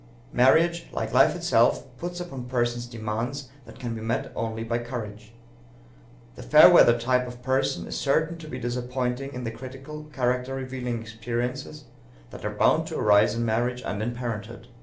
Marriage, like life itself, puts upon persons demands that can be met only by courage. The fair weather type of person is certain to be disappointing in the critical, character revealing experiences that are bound to arise in marriage and in parenthood.